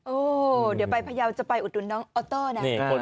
โอ้เดี๋ยวไปพยาวจะไปอุดหนุนน้องออเตอร์นะ